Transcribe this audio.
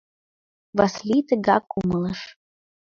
Васлий тыгак умылыш.